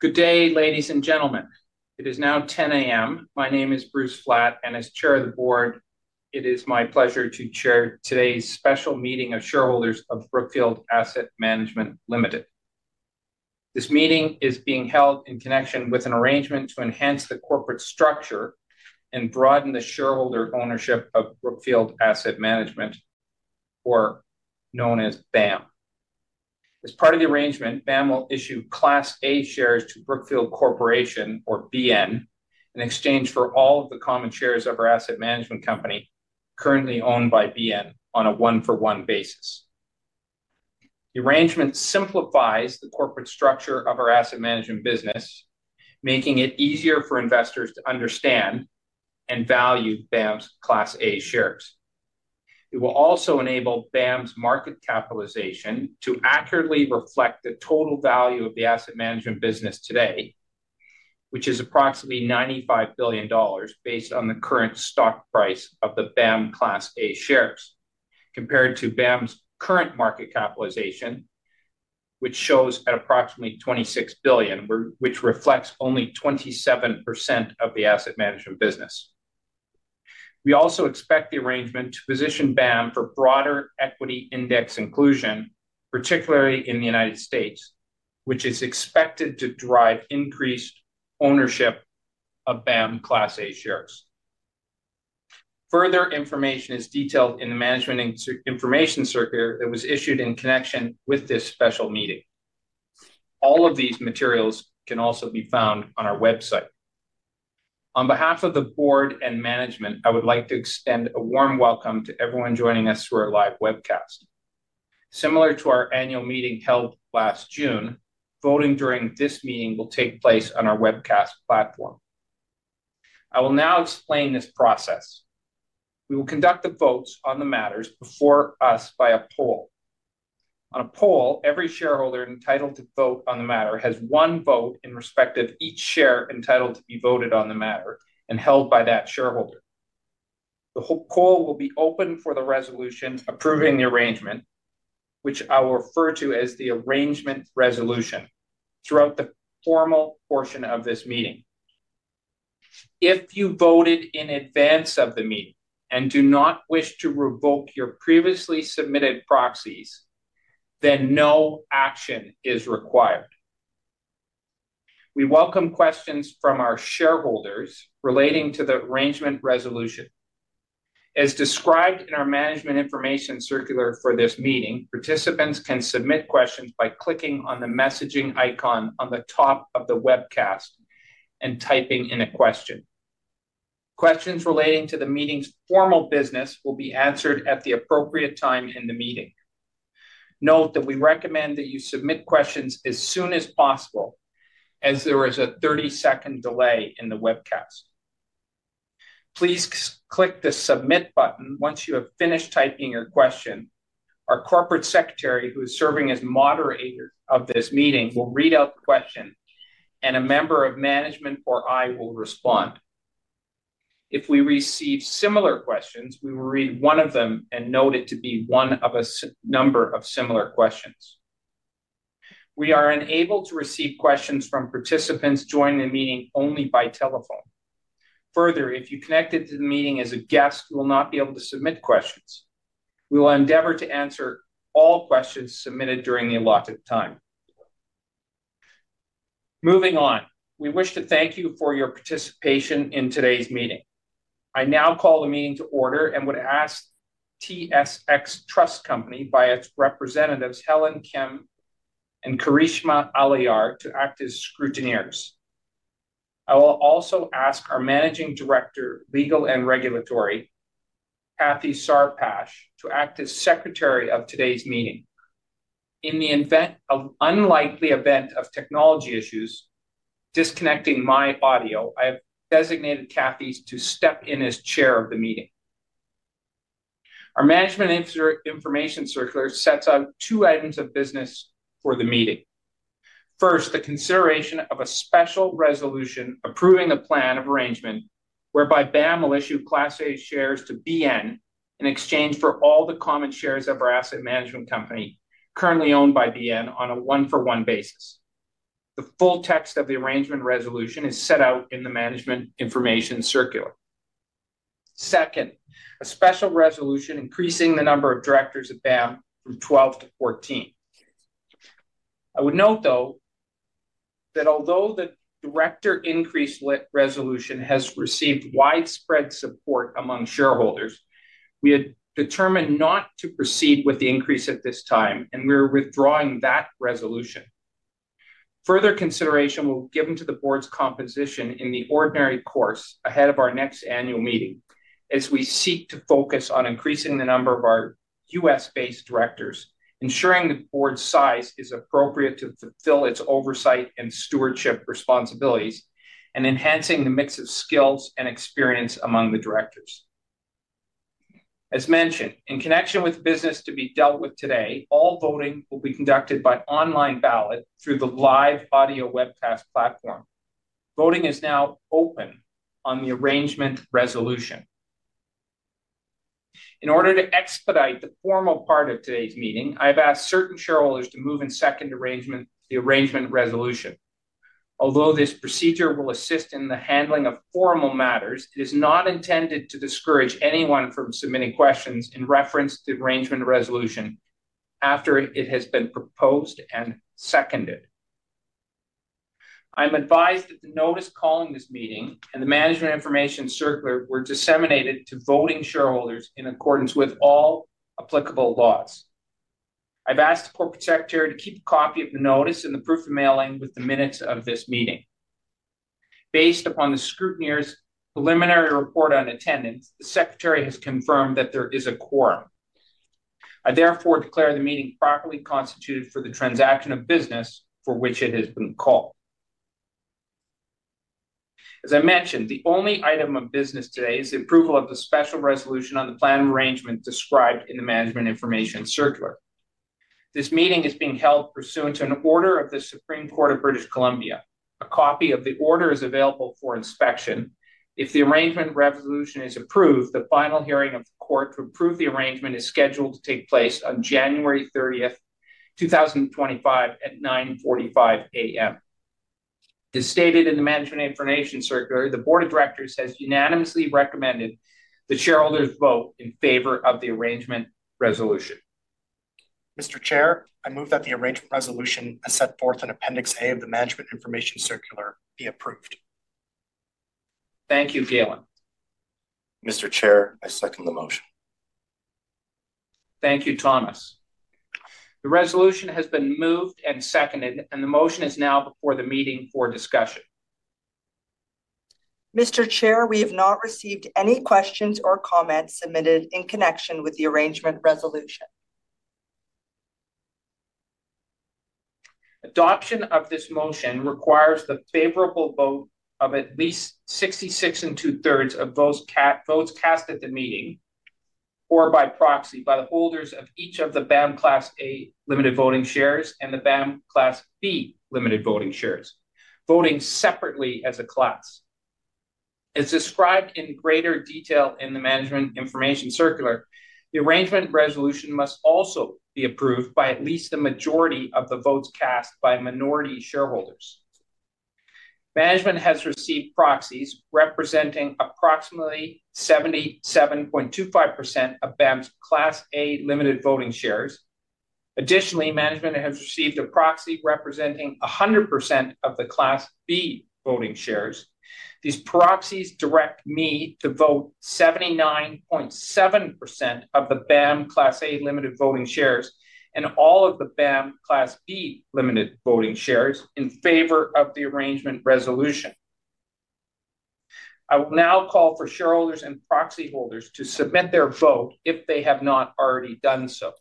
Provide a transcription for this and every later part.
Good day, ladies and gentlemen. It is now 10:00 A.M. My name is Bruce Flatt, and as Chair of the Board, it is my pleasure to chair today's special meeting of shareholders of Brookfield Asset Management Limited. This meeting is being held in connection with an arrangement to enhance the corporate structure and broaden the shareholder ownership of Brookfield Asset Management, or known as BAM. As part of the arrangement, BAM will issue Class A shares to Brookfield Corporation, or BN, in exchange for all of the common shares of our asset management company currently owned by BN on a one-for-one basis. The arrangement simplifies the corporate structure of our asset management business, making it easier for investors to understand and value BAM's Class A shares. It will also enable BAM's market capitalization to accurately reflect the total value of the asset management business today, which is approximately $95 billion based on the current stock price of the BAM Class A shares, compared to BAM's current market capitalization, which shows at approximately $26 billion, which reflects only 27% of the asset management business. We also expect the arrangement to position BAM for broader equity index inclusion, particularly in the United States, which is expected to drive increased ownership of BAM Class A shares. Further information is detailed in the Management Information Circular that was issued in connection with this special meeting. All of these materials can also be found on our website. On behalf of the Board and Management, I would like to extend a warm welcome to everyone joining us through our live webcast. Similar to our annual meeting held last June, voting during this meeting will take place on our webcast platform. I will now explain this process. We will conduct the votes on the matters before us by a poll. On a poll, every shareholder entitled to vote on the matter has one vote in respect of each share entitled to be voted on the matter and held by that shareholder. The whole poll will be open for the resolution approving the arrangement, which I will refer to as the arrangement resolution, throughout the formal portion of this meeting. If you voted in advance of the meeting and do not wish to revoke your previously submitted proxies, then no action is required. We welcome questions from our shareholders relating to the arrangement resolution. As described in our Management Information Circular for this meeting, participants can submit questions by clicking on the messaging icon on the top of the webcast and typing in a question. Questions relating to the meeting's formal business will be answered at the appropriate time in the meeting. Note that we recommend that you submit questions as soon as possible, as there is a 30-second delay in the webcast. Please click the submit button once you have finished typing your question. Our corporate secretary, who is serving as moderator of this meeting, will read out the question, and a member of management or I will respond. If we receive similar questions, we will read one of them and note it to be one of a number of similar questions. We are unable to receive questions from participants joining the meeting only by telephone. Further, if you connected to the meeting as a guest, you will not be able to submit questions. We will endeavor to answer all questions submitted during the allotted time. Moving on, we wish to thank you for your participation in today's meeting. I now call the meeting to order and would ask TSX Trust Company by its representatives, Helen Kim and Karishma Aliar, to act as scrutineers. I will also ask our Managing Director, Legal and Regulatory, Kathy Sarpash, to act as secretary of today's meeting. In the event of the unlikely event of technology issues disconnecting my audio, I have designated Kathy to step in as chair of the meeting. Our Management Information Circular sets out two items of business for the meeting. First, the consideration of a special resolution approving a plan of arrangement whereby BAM will issue Class A shares to BN in exchange for all the common shares of our asset management company currently owned by BN on a one-for-one basis. The full text of the arrangement resolution is set out in the Management Information Circular. Second, a special resolution increasing the number of directors of BAM from 12 to 14. I would note, though, that although the director increase resolution has received widespread support among shareholders, we had determined not to proceed with the increase at this time, and we are withdrawing that resolution. Further consideration will be given to the board's composition in the ordinary course ahead of our next annual meeting as we seek to focus on increasing the number of our U.S.-based directors, ensuring the board's size is appropriate to fulfill its oversight and stewardship responsibilities, and enhancing the mix of skills and experience among the directors. As mentioned, in connection with business to be dealt with today, all voting will be conducted by online ballot through the live audio webcast platform. Voting is now open on the Arrangement Resolution. In order to expedite the formal part of today's meeting, I have asked certain shareholders to move and second the Arrangement Resolution. Although this procedure will assist in the handling of formal matters, it is not intended to discourage anyone from submitting questions in reference to the Arrangement Resolution after it has been proposed and seconded. I'm advised that the notice calling this meeting and the Management Information Circular were disseminated to voting shareholders in accordance with all applicable laws. I've asked the corporate secretary to keep a copy of the notice and the proof of mailing with the minutes of this meeting. Based upon the scrutineer's preliminary report on attendance, the secretary has confirmed that there is a quorum. I therefore declare the meeting properly constituted for the transaction of business for which it has been called. As I mentioned, the only item of business today is the approval of the special resolution on the plan of arrangement described in the management information circular. This meeting is being held pursuant to an order of the Supreme Court of British Columbia. A copy of the order is available for inspection. If the Arrangement Resolution is approved, the final hearing of the court to approve the arrangement is scheduled to take place on January 30th, 2025 at 9:45 A.M. As stated in the Management Information Circular, the board of directors has unanimously recommended the shareholders vote in favor of the Arrangement Resolution. Mr. Chair, I move that the Arrangement Resolution as set forth in Appendix A of the Management Information Circular be approved. Thank you, Gayle. Mr. Chair, I second the motion. Thank you, Thomas. The resolution has been moved and seconded, and the motion is now before the meeting for discussion. Mr. Chair, we have not received any questions or comments submitted in connection with the Arrangement Resolution. Adoption of this motion requires the favorable vote of at least 66 and two-thirds of those votes cast at the meeting or by proxy by the holders of each of the BAM Class A Limited Voting Shares and the BAM Class B Limited Voting Shares, voting separately as a class. As described in greater detail in the Management Information Circular, the Arrangement Resolution must also be approved by at least the majority of the votes cast by minority shareholders. Management has received proxies representing approximately 77.25% of BAM's Class A Limited Voting Shares. Additionally, management has received a proxy representing 100% of the Class B Limited Voting Shares. These proxies direct me to vote 79.7% of the BAM Class A Limited Voting Shares and all of the BAM Class B Limited Voting Shares in favor of the Arrangement Resolution. I will now call for shareholders and proxy holders to submit their vote if they have not already done so.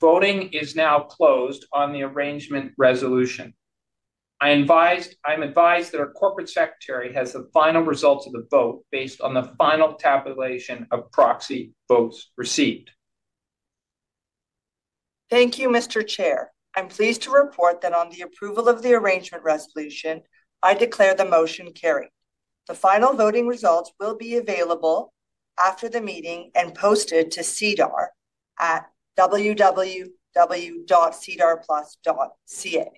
Voting is now closed on the Arrangement Resolution. I'm advised that our Corporate Secretary has the final results of the vote based on the final tabulation of proxy votes received. Thank you, Mr. Chair. I'm pleased to report that on the approval of the Arrangement Resolution, I declare the motion carried. The final voting results will be available after the meeting and posted to SEDAR+ at www.sedarplus.ca.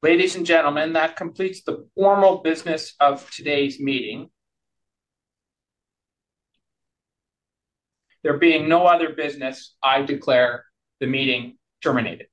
Ladies and gentlemen, that completes the formal business of today's meeting. There being no other business, I declare the meeting terminated.